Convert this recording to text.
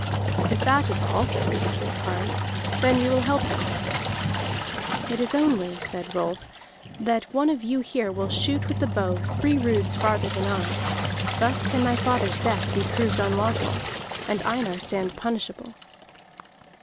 "If that is all," answered Kari, "then we will help him." "It is only," said Rolf, "that one of you here will shoot with the bow three roods farther than I. Thus can my father's death be proved unlawful, and Einar stand punishable."